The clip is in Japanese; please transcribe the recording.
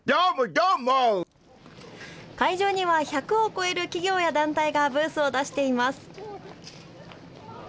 会場には１００を超える企業や団体がブースを出しています。